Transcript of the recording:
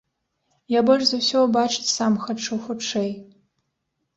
Я больш за ўсё ўбачыць сам хачу хутчэй!